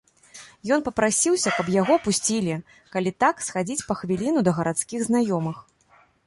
І ён папрасіўся, каб яго пусцілі, калі так, схадзіць па хвіліну да гарадскіх знаёмых.